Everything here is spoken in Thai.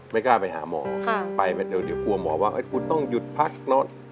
กล้าไปหาหมอไปเดี๋ยวกลัวหมอว่าคุณต้องหยุดพักเนอะ